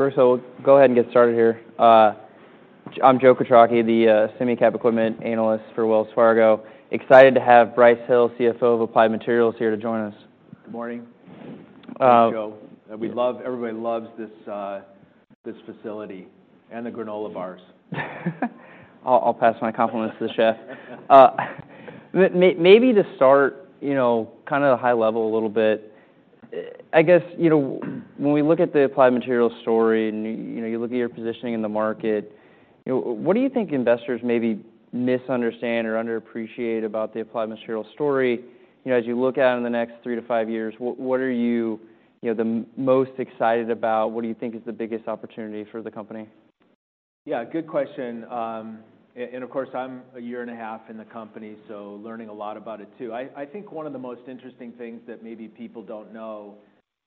First of all, go ahead and get started here. I'm Joe Quatrochi, the Semicap equipment analyst for Wells Fargo. Excited to have Brice Hill, CFO of Applied Materials, here to join us. Good morning, Joe. We love, everybody loves this facility and the granola bars. I'll pass my compliments to the chef. Maybe to start, you know, kind of the high level a little bit, I guess, you know, when we look at the Applied Materials story and, you know, you look at your positioning in the market, you know, what do you think investors maybe misunderstand or underappreciate about the Applied Materials story? You know, as you look out in the next three to five years, what, what are you, you know, the most excited about? What do you think is the biggest opportunity for the company? Yeah, good question. And, of course, I'm a year and a half in the company, so learning a lot about it, too. I think one of the most interesting things that maybe people don't know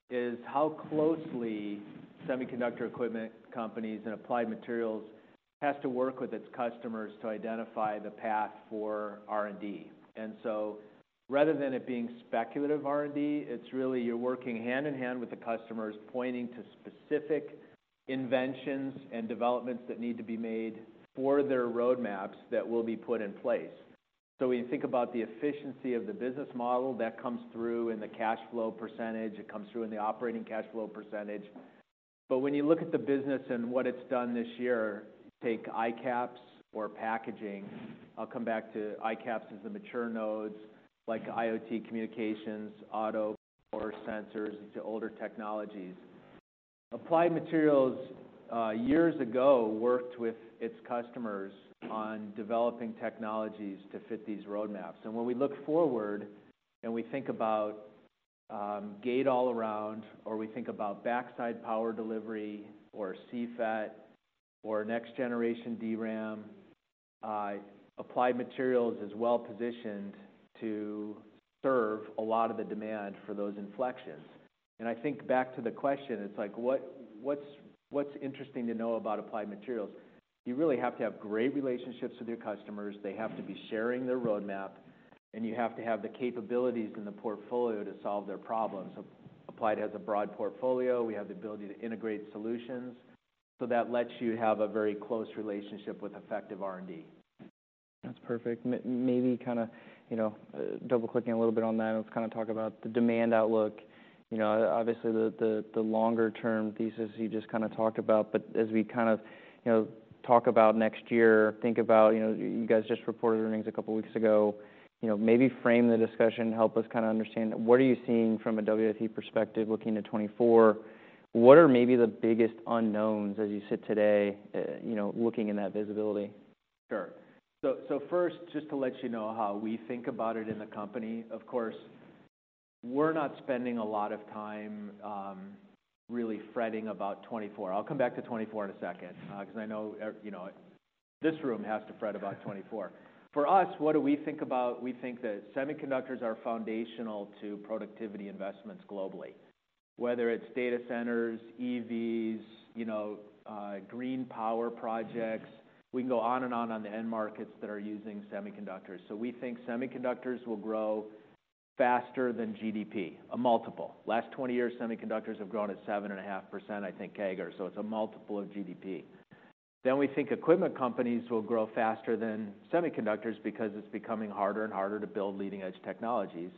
is how closely semiconductor equipment companies and Applied Materials has to work with its customers to identify the path for R&D. So rather than it being speculative R&D, it's really you're working hand in hand with the customers, pointing to specific inventions and developments that need to be made for their roadmaps that will be put in place. So when you think about the efficiency of the business model, that comes through in the cash flow percentage, it comes through in the operating cash flow percentage. But when you look at the business and what it's done this year, take ICAPS or packaging. I'll come back to ICAPS as the mature nodes, like IoT communications, auto or sensors, into older technologies. Applied Materials, years ago, worked with its customers on developing technologies to fit these roadmaps. When we look forward and we think about Gate All Around, or we think about Backside Power Delivery, or CFET, or next generation DRAM, Applied Materials is well positioned to serve a lot of the demand for those inflections. I think back to the question, it's like, what's interesting to know about Applied Materials? You really have to have great relationships with your customers. They have to be sharing their roadmap, and you have to have the capabilities in the portfolio to solve their problems. Applied has a broad portfolio. We have the ability to integrate solutions, so that lets you have a very close relationship with effective R&D. That's perfect. Maybe kind of, you know, double-clicking a little bit on that, let's kind of talk about the demand outlook. You know, obviously, the longer-term thesis you just kind of talked about, but as we kind of, you know, talk about next year, think about, you know, you guys just reported earnings a couple weeks ago. You know, maybe frame the discussion, help us kind of understand, what are you seeing from a WFE perspective looking to 2024? What are maybe the biggest unknowns as you sit today, you know, looking in that visibility? Sure. So first, just to let you know how we think about it in the company, of course, we're not spending a lot of time really fretting about 2024. I'll come back to 2024 in a second, because I know, you know, this room has to fret about 2024. For us, what do we think about? We think that semiconductors are foundational to productivity investments globally, whether it's data centers, EVs, you know, green power projects. We can go on and on on the end markets that are using semiconductors. So we think semiconductors will grow faster than GDP, a multiple. Last 20 years, semiconductors have grown at 7.5%, I think, CAGR, so it's a multiple of GDP. Then we think equipment companies will grow faster than semiconductors because it's becoming harder and harder to build leading-edge technologies.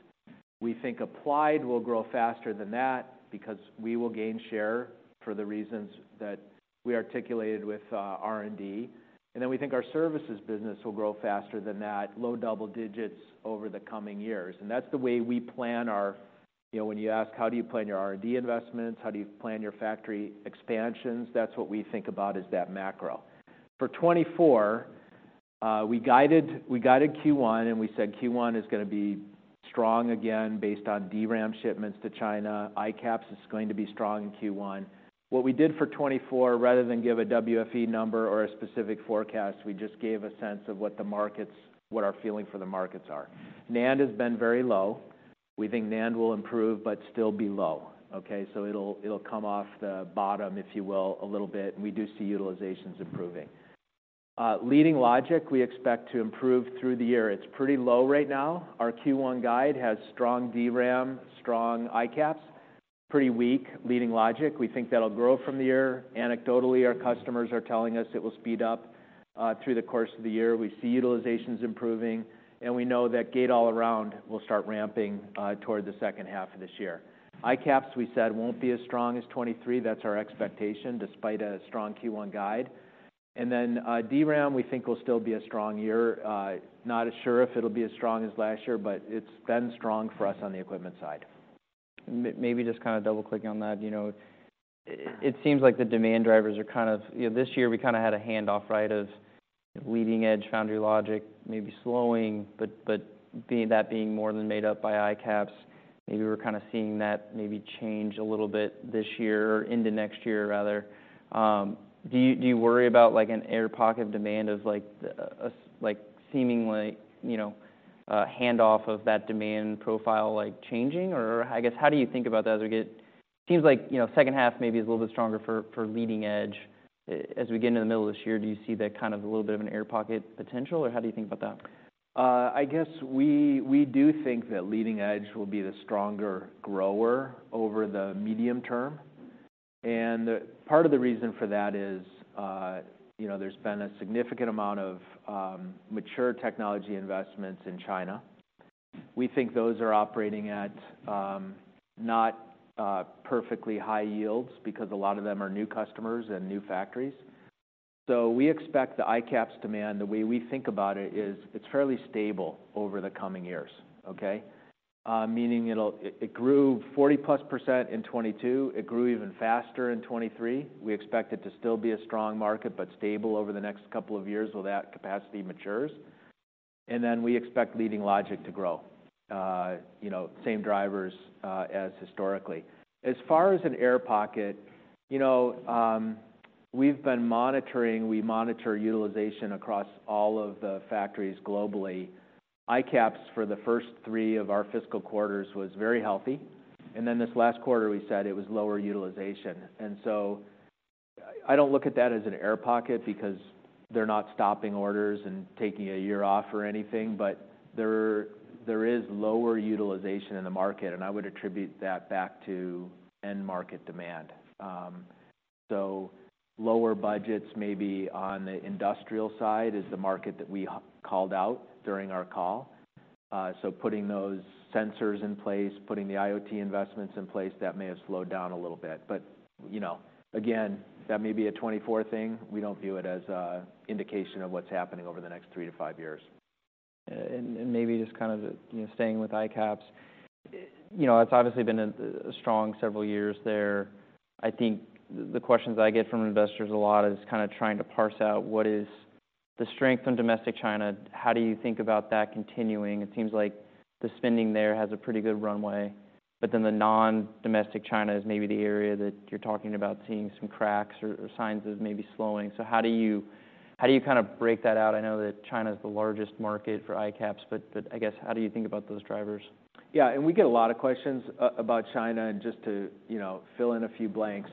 We think Applied will grow faster than that because we will gain share for the reasons that we articulated with R&D. And then we think our services business will grow faster than that, low double digits over the coming years. And that's the way we plan our... You know, when you ask, "How do you plan your R&D investments? How do you plan your factory expansions?" That's what we think about, is that macro. For 2024, we guided, we guided Q1, and we said Q1 is gonna be strong again based on DRAM shipments to China. ICAPS is going to be strong in Q1. What we did for 2024, rather than give a WFE number or a specific forecast, we just gave a sense of what the markets, what our feeling for the markets are. NAND has been very low. We think NAND will improve but still be low, okay? So it'll come off the bottom, if you will, a little bit, and we do see utilizations improving. Leading logic, we expect to improve through the year. It's pretty low right now. Our Q1 guide has strong DRAM, strong ICAPS, pretty weak leading logic. We think that'll grow from the year. Anecdotally, our customers are telling us it will speed up through the course of the year. We see utilizations improving, and we know that Gate All Around will start ramping toward the second half of this year. ICAPS, we said, won't be as strong as 2023. That's our expectation, despite a strong Q1 guide. And then, DRAM, we think, will still be a strong year. Not as sure if it'll be as strong as last year, but it's been strong for us on the equipment side. Maybe just kind of double-clicking on that, you know, it seems like the demand drivers are kind of... You know, this year we kind of had a handoff, right, of leading-edge foundry logic, maybe slowing, but being, that being more than made up by ICAPS. Maybe we're kind of seeing that maybe change a little bit this year or into next year, rather. Do you worry about, like, an air pocket of demand, like, seemingly, you know, a handoff of that demand profile, like, changing? Or I guess, how do you think about that as we get. It seems like, you know, second half maybe is a little bit stronger for leading edge.... As we get into the middle of this year, do you see that kind of a little bit of an air pocket potential, or how do you think about that? I guess we do think that leading edge will be the stronger grower over the medium term. And part of the reason for that is, you know, there's been a significant amount of mature technology investments in China. We think those are operating at not perfectly high yields, because a lot of them are new customers and new factories. So we expect the ICAPS demand, the way we think about it is, it's fairly stable over the coming years, okay? Meaning it grew 40%+ in 2022. It grew even faster in 2023. We expect it to still be a strong market, but stable over the next couple of years, while that capacity matures. And then we expect leading logic to grow. You know, same drivers as historically. As far as an air pocket, you know, we've been monitoring, we monitor utilization across all of the factories globally. ICAPS, for the first three of our fiscal quarters, was very healthy, and then this last quarter, we said it was lower utilization. And so I don't look at that as an air pocket, because they're not stopping orders and taking a year off or anything, but there is lower utilization in the market, and I would attribute that back to end-market demand. So lower budgets may be on the industrial side, is the market that we called out during our call. So putting those sensors in place, putting the IoT investments in place, that may have slowed down a little bit. But, you know, again, that may be a 2024 thing. We don't view it as an indication of what's happening over the next three-five years. And maybe just kind of, you know, staying with ICAPS. You know, it's obviously been a strong several years there. I think the questions I get from investors a lot is kind of trying to parse out what is the strength in domestic China, how do you think about that continuing? It seems like the spending there has a pretty good runway, but then the non-domestic China is maybe the area that you're talking about seeing some cracks or signs of maybe slowing. So how do you kind of break that out? I know that China is the largest market for ICAPS, but I guess, how do you think about those drivers? Yeah, and we get a lot of questions about China, and just to, you know, fill in a few blanks.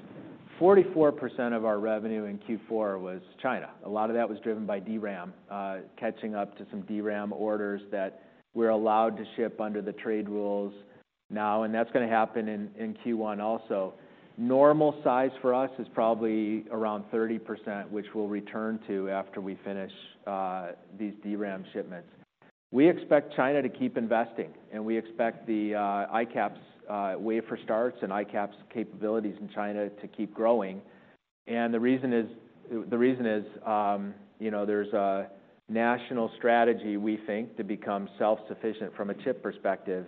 44% of our revenue in Q4 was China. A lot of that was driven by DRAM catching up to some DRAM orders that we're allowed to ship under the trade rules now, and that's gonna happen in Q1 also. Normal size for us is probably around 30%, which we'll return to after we finish these DRAM shipments. We expect China to keep investing, and we expect the ICAPS wafer starts and ICAPS capabilities in China to keep growing. And the reason is, you know, there's a national strategy, we think, to become self-sufficient from a chip perspective.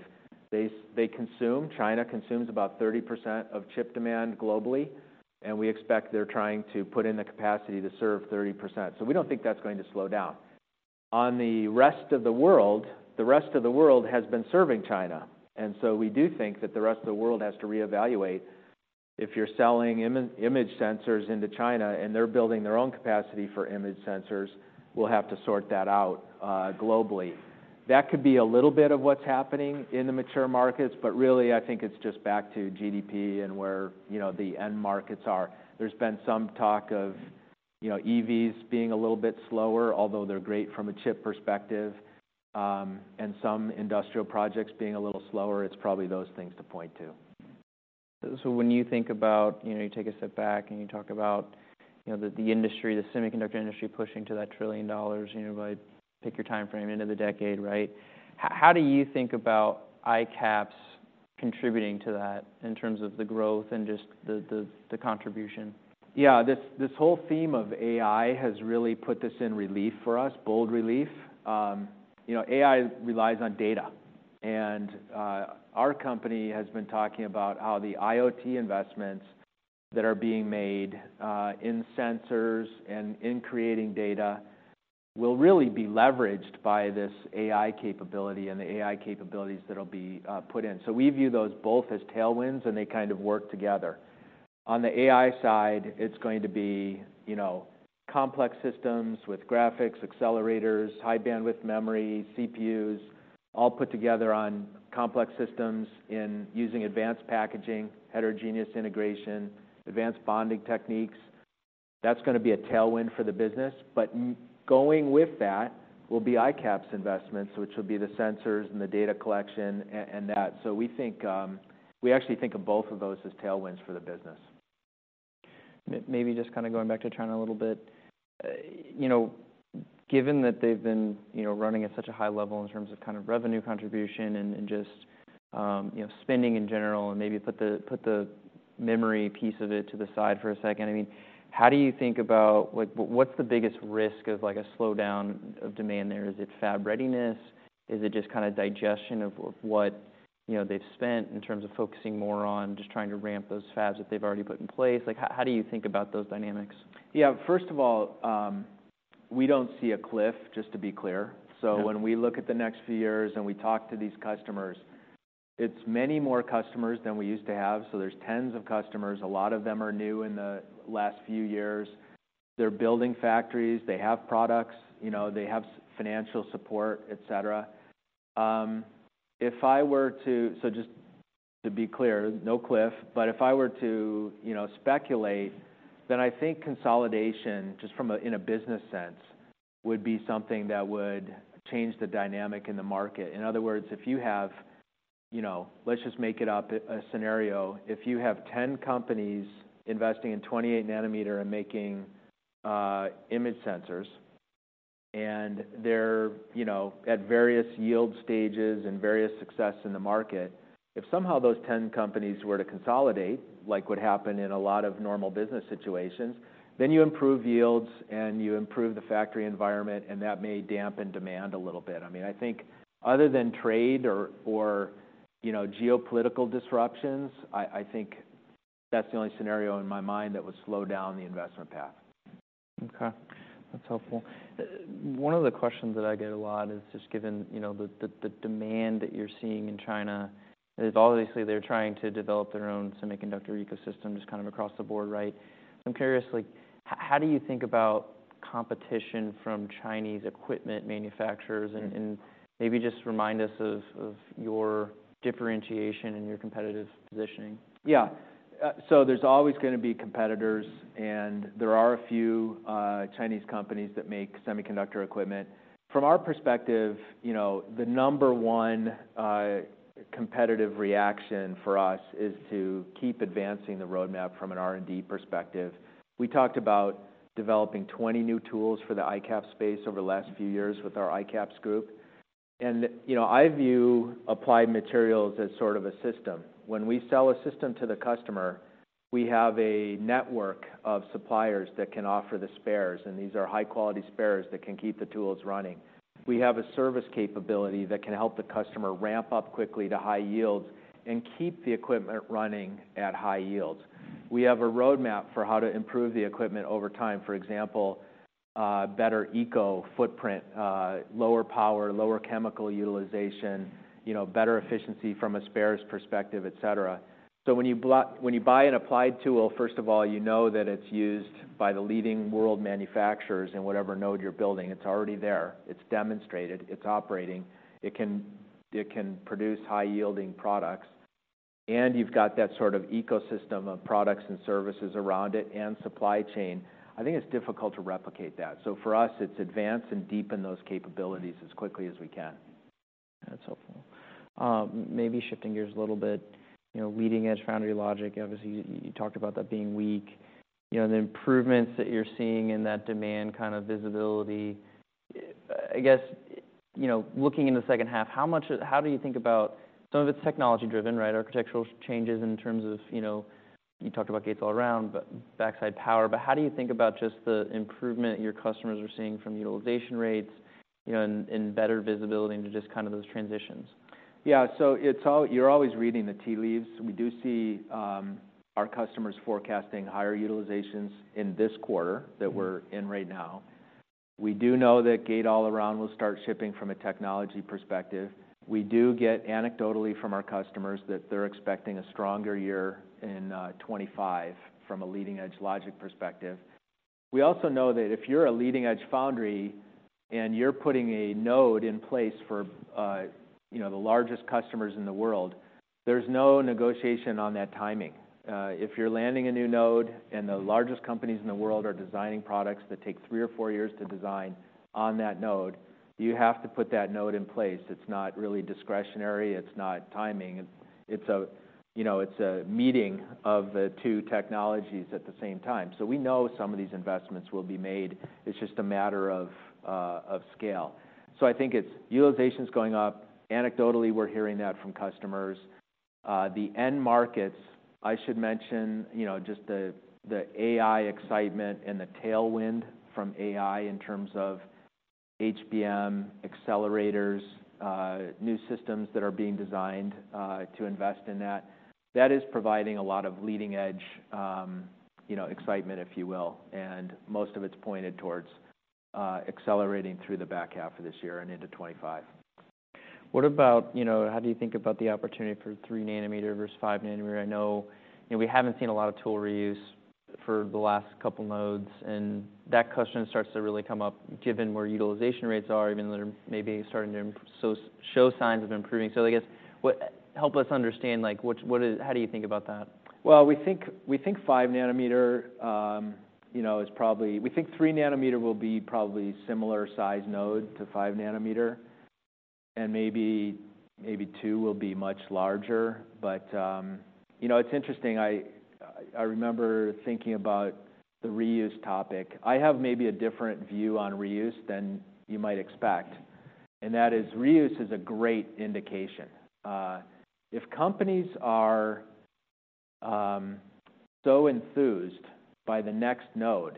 China consumes about 30% of chip demand globally, and we expect they're trying to put in the capacity to serve 30%. So we don't think that's going to slow down. On the rest of the world, the rest of the world has been serving China, and so we do think that the rest of the world has to reevaluate. If you're selling image sensors into China, and they're building their own capacity for image sensors, we'll have to sort that out globally. That could be a little bit of what's happening in the mature markets, but really, I think it's just back to GDP and where, you know, the end markets are. There's been some talk of, you know, EVs being a little bit slower, although they're great from a chip perspective, and some industrial projects being a little slower. It's probably those things to point to. So when you think about, you know, you take a step back and you talk about, you know, the industry, the semiconductor industry, pushing to that $1 trillion, you know, by, pick your timeframe, end of the decade, right? How do you think about ICAPS contributing to that in terms of the growth and just the contribution? Yeah, this, this whole theme of AI has really put this in relief for us, bold relief. You know, AI relies on data, and our company has been talking about how the IoT investments that are being made in sensors and in creating data, will really be leveraged by this AI capability and the AI capabilities that'll be put in. So we view those both as tailwinds, and they kind of work together. On the AI side, it's going to be, you know, complex systems with graphics, accelerators, high-bandwidth memory, CPUs, all put together on complex systems in using advanced packaging, heterogeneous integration, advanced bonding techniques. That's gonna be a tailwind for the business. But going with that will be ICAPS investments, which will be the sensors and the data collection and that. So we think, we actually think of both of those as tailwinds for the business. Maybe just kinda going back to China a little bit. You know, given that they've been, you know, running at such a high level in terms of kind of revenue contribution and, and just, you know, spending in general, and maybe put the memory piece of it to the side for a second. I mean, how do you think about... Like, what, what's the biggest risk of, like, a slowdown of demand there? Is it fab readiness? Is it just kinda digestion of what, you know, they've spent in terms of focusing more on just trying to ramp those fabs that they've already put in place? Like, how, how do you think about those dynamics? Yeah. First of all, we don't see a cliff, just to be clear. Yeah. So when we look at the next few years, and we talk to these customers, it's many more customers than we used to have. So there's tens of customers. A lot of them are new in the last few years. They're building factories, they have products, you know, they have financial support, et cetera. To be clear, no cliff. But if I were to, you know, speculate, then I think consolidation, just from a business sense, would be something that would change the dynamic in the market. In other words, if you have, you know, let's just make it up, a scenario. If you have 10 companies investing in 28 nm and making image sensors, and they're, you know, at various yield stages and various success in the market, if somehow those 10 companies were to consolidate, like would happen in a lot of normal business situations, then you improve yields and you improve the factory environment, and that may dampen demand a little bit. I mean, I think other than trade or, or, you know, geopolitical disruptions, I think that's the only scenario in my mind that would slow down the investment path. Okay, that's helpful. One of the questions that I get a lot is just given, you know, the demand that you're seeing in China, is obviously they're trying to develop their own semiconductor ecosystem just kind of across the board, right? I'm curious, like, how do you think about competition from Chinese equipment manufacturers? And maybe just remind us of your differentiation and your competitive positioning. Yeah. So there's always gonna be competitors, and there are a few Chinese companies that make semiconductor equipment. From our perspective, you know, the number one competitive reaction for us is to keep advancing the roadmap from an R&D perspective. We talked about developing 20 new tools for the ICAPS space over the last few years with our ICAPS group. You know, I view Applied Materials as sort of a system. When we sell a system to the customer, we have a network of suppliers that can offer the spares, and these are high-quality spares that can keep the tools running. We have a service capability that can help the customer ramp up quickly to high yields and keep the equipment running at high yields. We have a roadmap for how to improve the equipment over time. For example, better eco footprint, lower power, lower chemical utilization, you know, better efficiency from a spares perspective, et cetera. So when you buy an Applied tool, first of all, you know that it's used by the leading world manufacturers in whatever node you're building. It's already there, it's demonstrated, it's operating, it can, it can produce high-yielding products, and you've got that sort of ecosystem of products and services around it and supply chain. I think it's difficult to replicate that. So for us, it's advance and deepen those capabilities as quickly as we can. That's helpful. Maybe shifting gears a little bit, you know, leading-edge foundry logic, obviously, you talked about that being weak. You know, the improvements that you're seeing in that demand kind of visibility, I guess, you know, looking in the second half, how do you think about some of it's technology-driven, right? Architectural changes in terms of, you know, you talked about Gate All Around, but backside power. But how do you think about just the improvement your customers are seeing from utilization rates, you know, and better visibility into just kind of those transitions? Yeah. So it's all, you're always reading the tea leaves. We do see, our customers forecasting higher utilizations in this quarter- Mm-hmm. - that we're in right now. We do know that Gate All Around will start shipping from a technology perspective. We do get anecdotally from our customers that they're expecting a stronger year in 2025 from a leading-edge logic perspective. We also know that if you're a leading-edge foundry and you're putting a node in place for, you know, the largest customers in the world, there's no negotiation on that timing. If you're landing a new node and the largest companies in the world are designing products that take three or four years to design on that node, you have to put that node in place. It's not really discretionary, it's not timing. It's a, you know, it's a meeting of the two technologies at the same time. So we know some of these investments will be made. It's just a matter of, of scale. So I think it's... Utilization's going up. Anecdotally, we're hearing that from customers. The end markets, I should mention, you know, just the, the AI excitement and the tailwind from AI in terms of HBM accelerators, new systems that are being designed to invest in that. That is providing a lot of leading-edge, you know, excitement, if you will, and most of it's pointed towards accelerating through the back half of this year and into 25. What about, you know, how do you think about the opportunity for 3 nm versus 5 nm? I know, you know, we haven't seen a lot of tool reuse for the last couple nodes, and that question starts to really come up, given where utilization rates are, even though they're maybe starting to show signs of improving. So I guess, what, help us understand, like, what, what is, how do you think about that? Well, we think, we think 5 nm, you know, is probably, we think 3 nm will be probably similar size node to 5 nm, and maybe, maybe 2 nm will be much larger. But, you know, it's interesting, I remember thinking about the reuse topic. I have maybe a different view on reuse than you might expect, and that is, reuse is a great indication. If companies are so enthused by the next node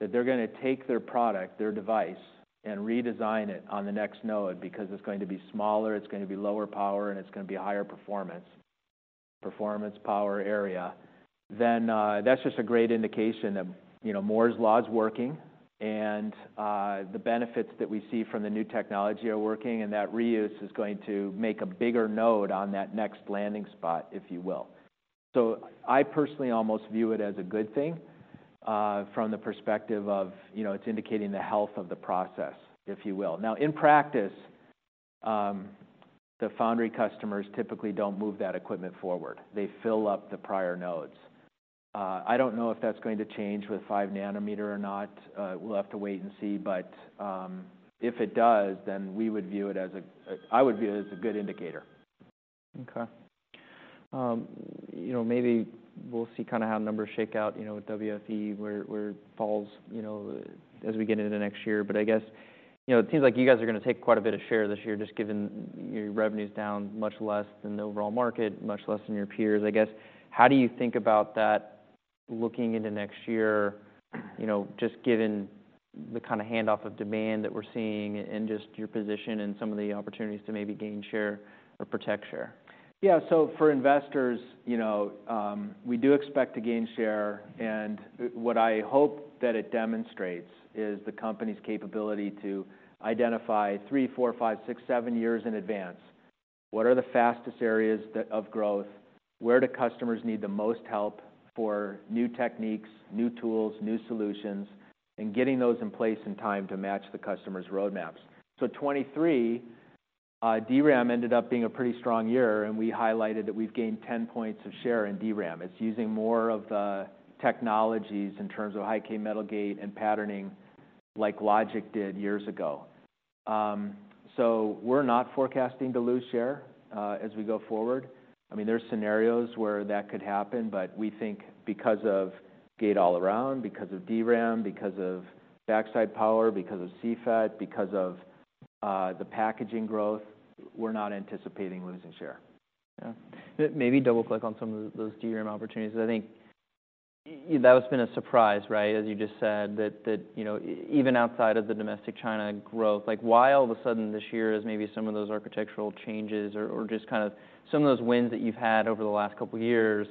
that they're gonna take their product, their device, and redesign it on the next node because it's going to be smaller, it's going to be lower power, and it's going to be higher performance, performance, power, area, then that's just a great indication that, you know, Moore's Law is working, and the benefits that we see from the new technology are working, and that reuse is going to make a bigger node on that next landing spot, if you will. So I personally almost view it as a good thing from the perspective of, you know, it's indicating the health of the process, if you will. Now, in practice, the foundry customers typically don't move that equipment forward. They fill up the prior nodes. I don't know if that's going to change with 5 nm or not. We'll have to wait and see, but if it does, I would view it as a good indicator. Okay. You know, maybe we'll see kind of how numbers shake out, you know, with WFE, where it falls, you know, as we get into the next year. But I guess, you know, it seems like you guys are gonna take quite a bit of share this year, just given your revenue's down much less than the overall market, much less than your peers. I guess, how do you think about that looking into next year, you know, just given the kind of handoff of demand that we're seeing and just your position and some of the opportunities to maybe gain share or protect share? Yeah. So for investors, you know, we do expect to gain share, and what I hope that it demonstrates is the company's capability to identify three, four, five, six, seven years in advance. What are the fastest areas of growth? Where do customers need the most help for new techniques, new tools, new solutions? And getting those in place in time to match the customer's roadmaps. So 2023, DRAM ended up being a pretty strong year, and we highlighted that we've gained 10 points of share in DRAM. It's using more of the technologies in terms of High-K Metal Gate and patterning, like Logic did years ago. So we're not forecasting to lose share, as we go forward. I mean, there are scenarios where that could happen, but we think because of Gate All Around, because of DRAM, because of Backside Power, because of CFET, because of the packaging growth, we're not anticipating losing share. Yeah. Maybe double-click on some of those DRAM opportunities. I think that's been a surprise, right? As you just said, that, you know, even outside of the domestic China growth, like, why all of a sudden this year is maybe some of those architectural changes or just kind of some of those wins that you've had over the last couple of years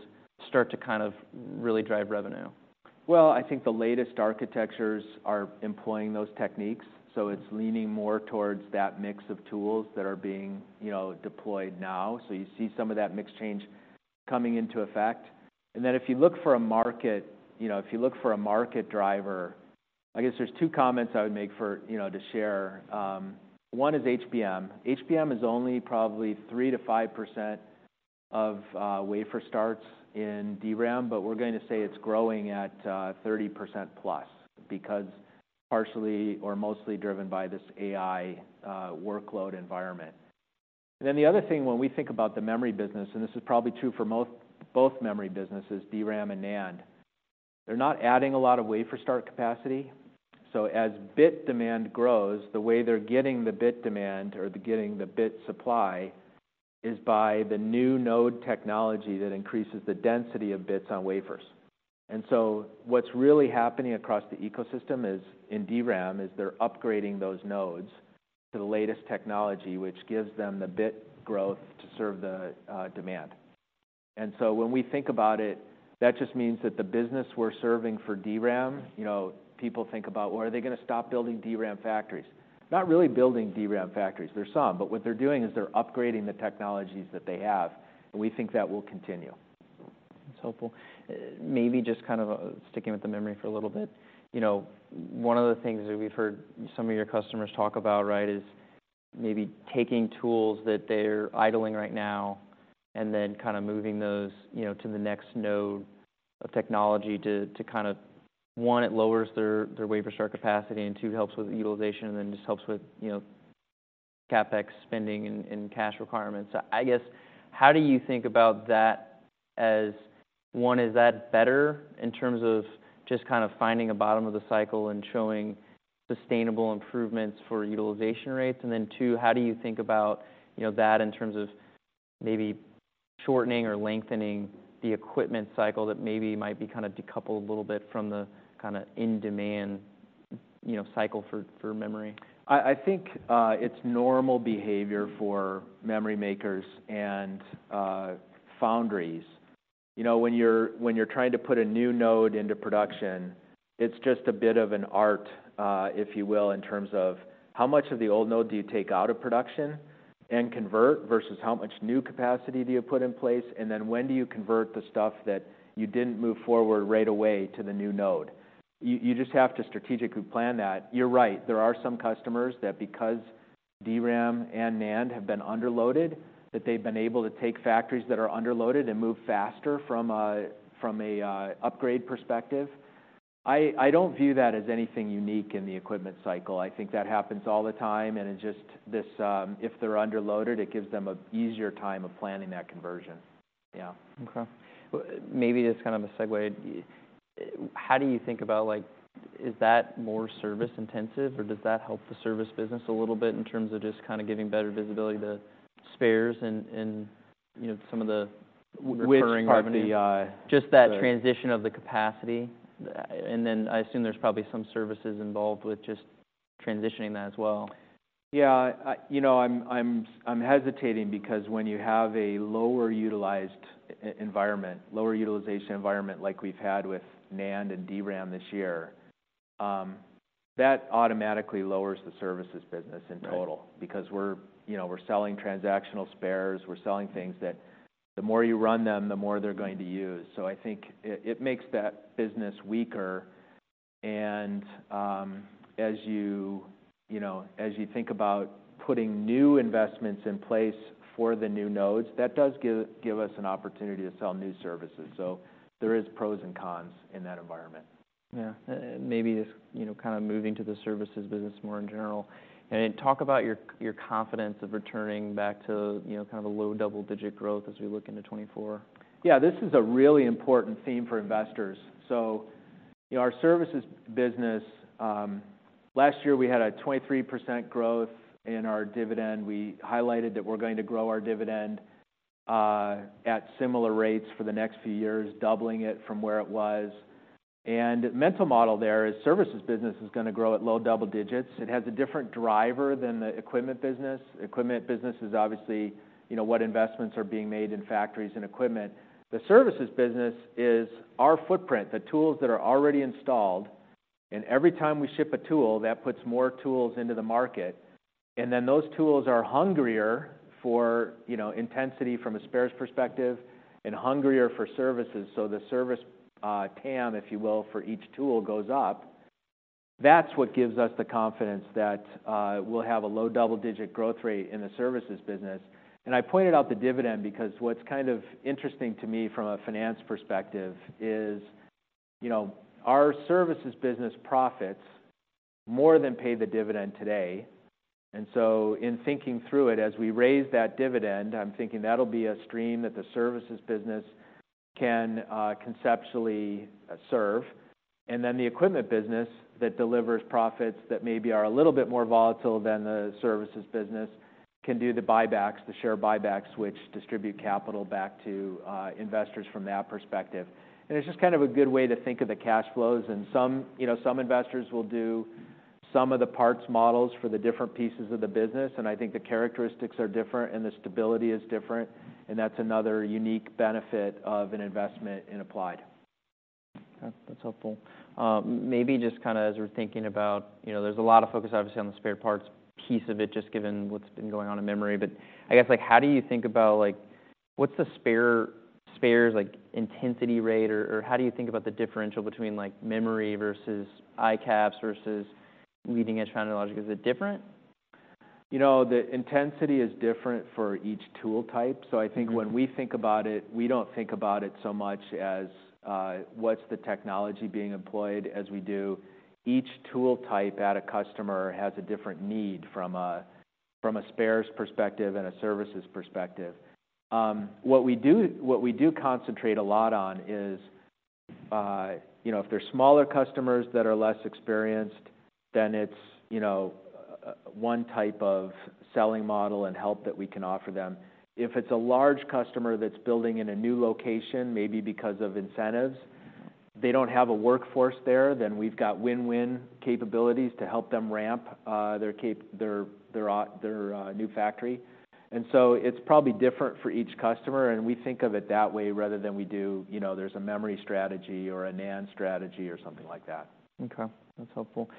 start to kind of really drive revenue? Well, I think the latest architectures are employing those techniques, so it's leaning more towards that mix of tools that are being, you know, deployed now. So you see some of that mix change coming into effect. And then, if you look for a market, you know, if you look for a market driver, I guess there's two comments I would make for, you know, to share. One is HBM. HBM is only probably 3%-5% of wafer starts in DRAM, but we're going to say it's growing at 30%+, because partially or mostly driven by this AI workload environment. And then the other thing, when we think about the memory business, and this is probably true for both, both memory businesses, DRAM and NAND, they're not adding a lot of wafer start capacity. So as bit demand grows, the way they're getting the bit demand or getting the bit supply, is by the new node technology that increases the density of bits on wafers. And so what's really happening across the ecosystem is, in DRAM, is they're upgrading those nodes to the latest technology, which gives them the bit growth to serve the demand. And so when we think about it, that just means that the business we're serving for DRAM, you know, people think about, "Well, are they gonna stop building DRAM factories?" Not really building DRAM factories. There are some, but what they're doing is they're upgrading the technologies that they have, and we think that will continue. That's helpful. Maybe just kind of sticking with the memory for a little bit. You know, one of the things that we've heard some of your customers talk about, right, is maybe taking tools that they're idling right now and then kind of moving those, you know, to the next node of technology to, to kind of, one, it lowers their, their wafer start capacity, and two, helps with utilization, and then just helps with, you know, CapEx spending and, and cash requirements. I guess, how do you think about that as, one, is that better in terms of just kind of finding a bottom of the cycle and showing sustainable improvements for utilization rates? And then two, how do you think about, you know, that in terms of maybe shortening or lengthening the equipment cycle that maybe might be kind of decoupled a little bit from the kind of in-demand, you know, cycle for, for memory? I think it's normal behavior for memory makers and foundries. You know, when you're trying to put a new node into production, it's just a bit of an art, if you will, in terms of how much of the old node do you take out of production and convert versus how much new capacity do you put in place, and then when do you convert the stuff that you didn't move forward right away to the new node? You just have to strategically plan that. You're right, there are some customers that, because DRAM and NAND have been underloaded, that they've been able to take factories that are underloaded and move faster from a upgrade perspective. I don't view that as anything unique in the equipment cycle. I think that happens all the time, and it's just this, if they're underloaded, it gives them an easier time of planning that conversion. Yeah. Okay. Well, maybe this is kind of a segue. How do you think about, like, is that more service intensive, or does that help the service business a little bit in terms of just kind of giving better visibility to spares and, you know, some of the recurring revenue? Which part of the, Just that transition of the capacity. And then I assume there's probably some services involved with just transitioning that as well. Yeah, you know, I'm hesitating because when you have a lower utilized environment, lower utilization environment like we've had with NAND and DRAM this year, that automatically lowers the services business in total. Right. Because we're, you know, we're selling transactional spares, we're selling things that the more you run them, the more they're going to use. So I think it makes that business weaker. And as you, you know, as you think about putting new investments in place for the new nodes, that does give us an opportunity to sell new services. So there is pros and cons in that environment. Yeah. Maybe just, you know, kind of moving to the services business more in general, and talk about your, your confidence of returning back to, you know, kind of a low double-digit growth as we look into 2024. Yeah, this is a really important theme for investors. So, you know, our services business, last year, we had a 23% growth in our dividend. We highlighted that we're going to grow our dividend at similar rates for the next few years, doubling it from where it was. And the mental model there is, services business is gonna grow at low double digits. It has a different driver than the equipment business. Equipment business is obviously, you know, what investments are being made in factories and equipment. The services business is our footprint, the tools that are already installed, and every time we ship a tool, that puts more tools into the market, and then those tools are hungrier for, you know, intensity from a spares perspective, and hungrier for services. So the service TAM, if you will, for each tool goes up. That's what gives us the confidence that, we'll have a low double-digit growth rate in the services business. And I pointed out the dividend because what's kind of interesting to me from a finance perspective is, you know, our services business profits more than pay the dividend today. And so in thinking through it, as we raise that dividend, I'm thinking that'll be a stream that the services business can, conceptually, serve. And then the equipment business that delivers profits that maybe are a little bit more volatile than the services business, can do the buybacks, the share buybacks, which distribute capital back to, investors from that perspective. And it's just kind of a good way to think of the cash flows. Some, you know, some investors will do some of the parts models for the different pieces of the business, and I think the characteristics are different and the stability is different, and that's another unique benefit of an investment in Applied. Okay. That's helpful. Maybe just kind of as we're thinking about, you know, there's a lot of focus, obviously, on the spare parts piece of it, just given what's been going on in memory, but I guess, like, how do you think about, like, what's the spare- spares, like, intensity rate, or, or how do you think about the differential between, like, memory versus ICAPS versus leading-edge found logic? Is it different? You know, the intensity is different for each tool type. Mm-hmm. So I think when we think about it, we don't think about it so much as what's the technology being employed, as we do each tool type at a customer has a different need from a spares perspective and a services perspective. What we do concentrate a lot on is, you know, if they're smaller customers that are less experienced, then it's, you know, one type of selling model and help that we can offer them. If it's a large customer that's building in a new location, maybe because of incentives, they don't have a workforce there, then we've got win-win capabilities to help them ramp their new factory. And so it's probably different for each customer, and we think of it that way, rather than we do, you know, there's a memory strategy or a NAND strategy or something like that. Okay. That's helpful.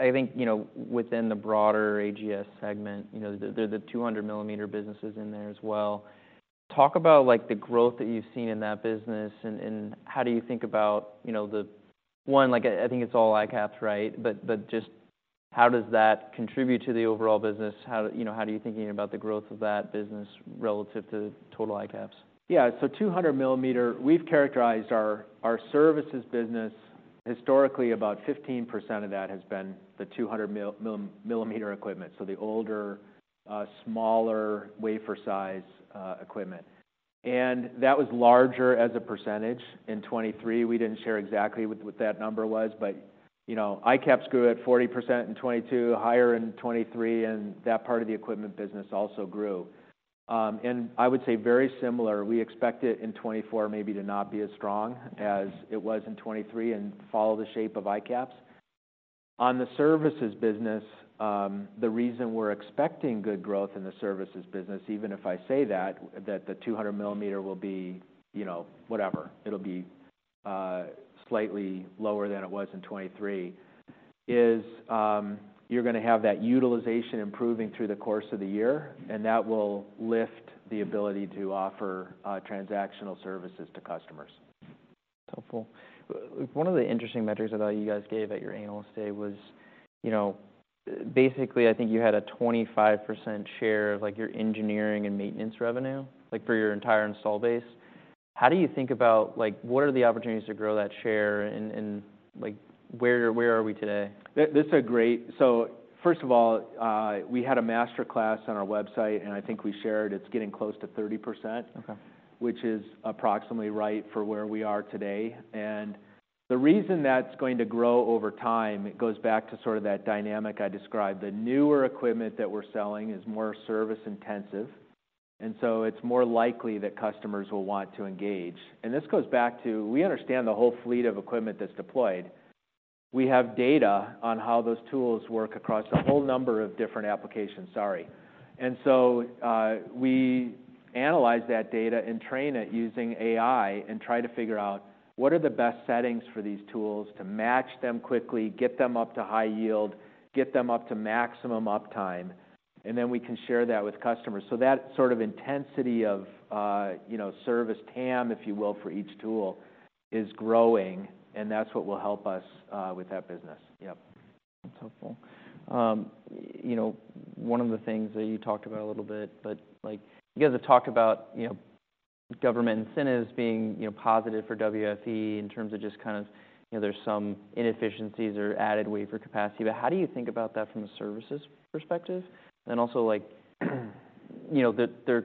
I think, you know, within the broader AGS segment, you know, the 200 mm business is in there as well. Talk about, like, the growth that you've seen in that business, and how do you think about, you know, the... One, like, I think it's all ICAPS, right? But just how does that contribute to the overall business? How, you know, how are you thinking about the growth of that business relative to total ICAPS? Yeah. So 200 mm, we've characterized our services business. Historically, about 15% of that has been the 200 mm equipment, so the older, smaller wafer size equipment. And that was larger as a percentage. In 2023, we didn't share exactly what that number was, but, you know, ICAPS grew at 40% in 2022, higher in 2023, and that part of the equipment business also grew. And I would say very similar, we expect it in 2024, maybe to not be as strong as it was in 2023 and follow the shape of ICAPS. On the services business, the reason we're expecting good growth in the services business, even if I say that, that the 200 mm will be, you know, whatever, it'll be, slightly lower than it was in 2023, is, you're gonna have that utilization improving through the course of the year, and that will lift the ability to offer, transactional services to customers. Helpful. One of the interesting metrics that I know you guys gave at your Analyst Day was, you know, basically, I think you had a 25% share of, like, your engineering and maintenance revenue, like, for your entire install base. How do you think about... Like, what are the opportunities to grow that share, and, like, where are we today? That's a great. So first of all, we had a Master Class on our website, and I think we shared it's getting close to 30%. Okay... which is approximately right for where we are today. And the reason that's going to grow over time, it goes back to sort of that dynamic I described. The newer equipment that we're selling is more service intensive, and so it's more likely that customers will want to engage. And this goes back to, we understand the whole fleet of equipment that's deployed.... we have data on how those tools work across a whole number of different applications. Sorry. And so, we analyze that data and train it using AI and try to figure out what are the best settings for these tools to match them quickly, get them up to high yield, get them up to maximum uptime, and then we can share that with customers. So that sort of intensity of, you know, service TAM, if you will, for each tool, is growing, and that's what will help us with that business. Yep. That's helpful. You know, one of the things that you talked about a little bit, but, like, you guys have talked about, you know, government incentives being, you know, positive for WFE in terms of just kind of, you know, there's some inefficiencies or added wafer capacity. But how do you think about that from a services perspective? And then also, like, you know, they're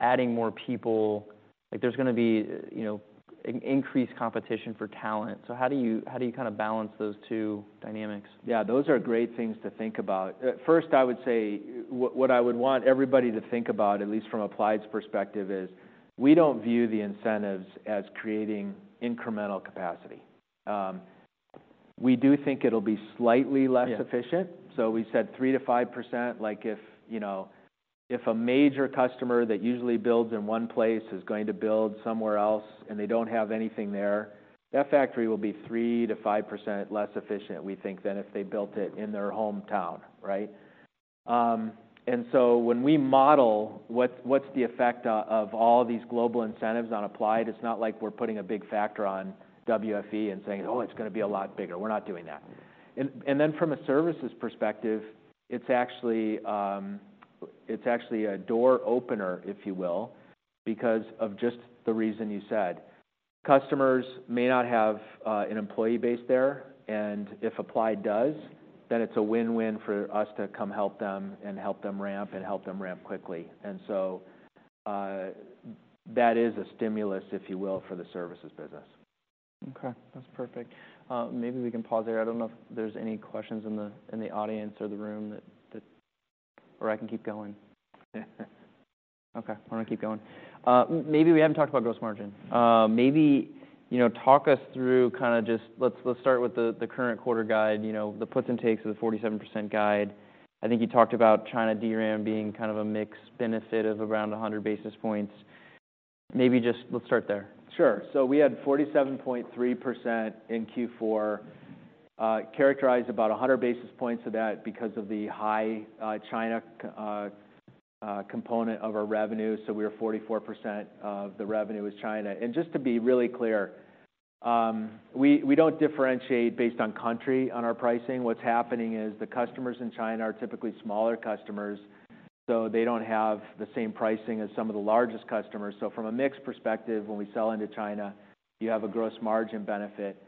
adding more people, like, there's gonna be, you know, increased competition for talent. So how do you, how do you kind of balance those two dynamics? Yeah, those are great things to think about. At first, I would say, I would want everybody to think about, at least from Applied's perspective, is we don't view the incentives as creating incremental capacity. We do think it'll be slightly less- Yeah... efficient. So we said 3%-5%. Like, if, you know, if a major customer that usually builds in one place is going to build somewhere else, and they don't have anything there, that factory will be 3%-5% less efficient, we think, than if they built it in their hometown, right? And so when we model, what's the effect of all these global incentives on Applied, it's not like we're putting a big factor on WFE and saying, "Oh, it's gonna be a lot bigger." We're not doing that. And then from a services perspective, it's actually, it's actually a door opener, if you will, because of just the reason you said. Customers may not have an employee base there, and if Applied does, then it's a win-win for us to come help them and help them ramp, and help them ramp quickly. And so, that is a stimulus, if you will, for the services business. Okay, that's perfect. Maybe we can pause there. I don't know if there's any questions in the audience or the room that... Or I can keep going. Yeah. Okay, why don't I keep going? Maybe we haven't talked about gross margin. Maybe, you know, talk us through kind of just... Let's, let's start with the, the current quarter guide, you know, the puts and takes of the 47% guide. I think you talked about China DRAM being kind of a mixed benefit of around 100 basis points. Maybe just let's start there. Sure. So we had 47.3% in Q4, characterized about 100 basis points of that because of the high China component of our revenue, so we were 44% of the revenue was China. And just to be really clear, we don't differentiate based on country on our pricing. What's happening is the customers in China are typically smaller customers, so they don't have the same pricing as some of the largest customers. So from a mix perspective, when we sell into China, you have a gross margin benefit.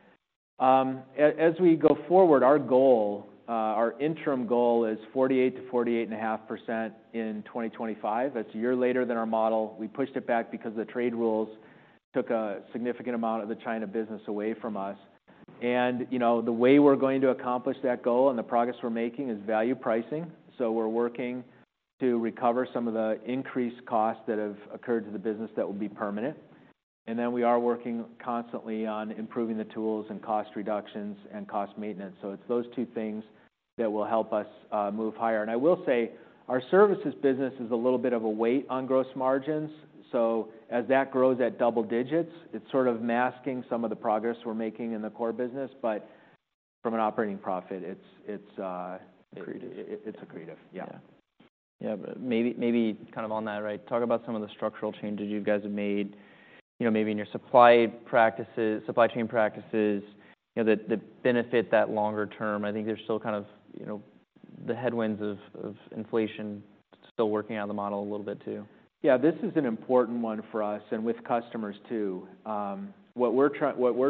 As we go forward, our goal, our interim goal is 48%-48.5% in 2025. That's a year later than our model. We pushed it back because the trade rules took a significant amount of the China business away from us. And, you know, the way we're going to accomplish that goal and the progress we're making is value pricing. So we're working to recover some of the increased costs that have occurred to the business that will be permanent, and then we are working constantly on improving the tools and cost reductions and cost maintenance. So it's those two things that will help us move higher. And I will say, our services business is a little bit of a weight on gross margins, so as that grows at double digits, it's sort of masking some of the progress we're making in the core business. But from an operating profit, it's- Accretive. It's accretive, yeah. Yeah. Yeah, but maybe kind of on that, right, talk about some of the structural changes you guys have made, you know, maybe in your supply practices, supply chain practices, you know, that benefit that longer term. I think there's still kind of, you know, the headwinds of inflation still working on the model a little bit, too. Yeah, this is an important one for us and with customers, too. What we're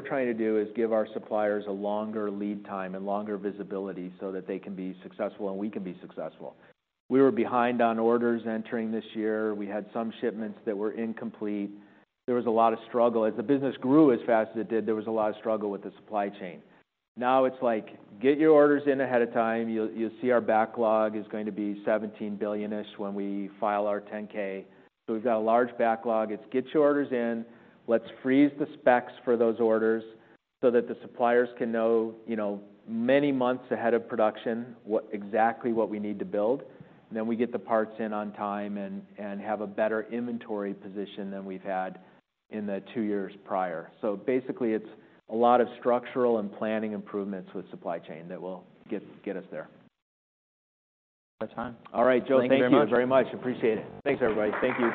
trying to do is give our suppliers a longer lead time and longer visibility so that they can be successful, and we can be successful. We were behind on orders entering this year. We had some shipments that were incomplete. There was a lot of struggle. As the business grew as fast as it did, there was a lot of struggle with the supply chain. Now it's like: Get your orders in ahead of time. You'll, you'll see our backlog is going to be $17 billion-ish when we file our 10-K. So we've got a large backlog. It's get your orders in, let's freeze the specs for those orders so that the suppliers can know, you know, many months ahead of production, what exactly what we need to build. Then we get the parts in on time and have a better inventory position than we've had in the two years prior. So basically, it's a lot of structural and planning improvements with supply chain that will get us there. Out of time. All right, Joe. Thank you much. Thank you very much. Appreciate it. Thanks, everybody. Thank you.